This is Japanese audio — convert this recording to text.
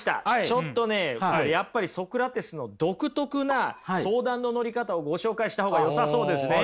ちょっとねやっぱりソクラテスの独特な相談の乗り方をご紹介した方がよさそうですね。